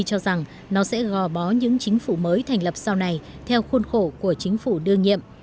tôi cho rằng nó sẽ gò bó những chính phủ mới thành lập sau này theo khuôn khổ của chính phủ đương nhiệm